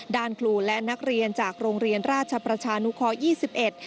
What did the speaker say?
ด่านครูและนักเรียนจากโรงเรียนราชประชานุคอศ์๒๑